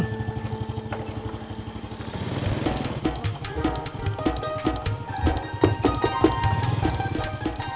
terima kasih bang